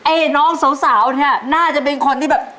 น้องสาวเนี่ยน่าจะเป็นคนที่แบบ